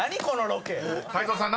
［泰造さん